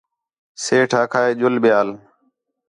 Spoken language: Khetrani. سیٹھ آکھا ہِے ڄُل ٻِیال